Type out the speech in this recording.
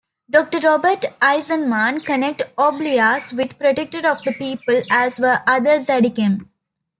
Doctor Robert Eisenman connects "Oblias" with "Protector of the people", as were other 'Zaddikim'.